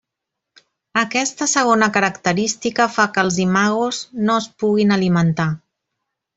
Aquesta segona característica fa que els imagos no es puguin alimentar.